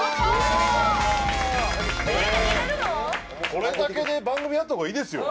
これだけで番組やった方がいいですよ。